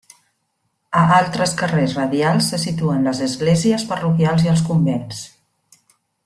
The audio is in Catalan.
A altres carrers radials se situen les esglésies parroquials i els convents.